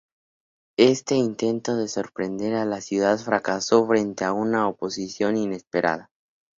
Este intento de sorprender a la ciudad fracasó frente a una oposición inesperada.